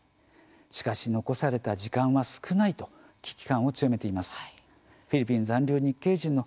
しかし、残された時間は少ないと危機感を強めています。